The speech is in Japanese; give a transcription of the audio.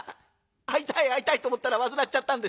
会いたい会いたいと思ったら煩っちゃったんです。